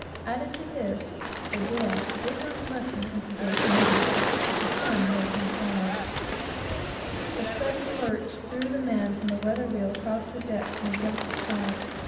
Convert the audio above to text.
Add to this, the gale did not lessen as the day came on, but the sun rose in clouds. A sudden lurch threw the man from the weather wheel across the deck and against the side.